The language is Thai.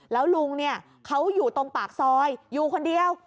แล้วลุงเนี่ยเขาอยู่ตรงปากซอยอยู่คนเดียว